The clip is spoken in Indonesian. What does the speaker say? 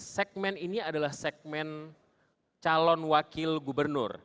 segmen ini adalah segmen calon wakil gubernur